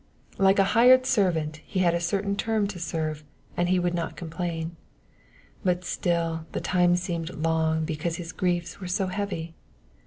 *' Like a hired servant, he had a certain term to serve, and he would not complain ; but still the time seemed long because his griefs were so heavy.